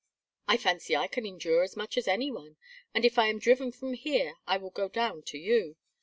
"I fancy I can endure as much as any one, and if I am driven from here I will go down to you.